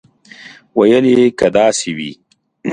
ویل یې که داسې وي.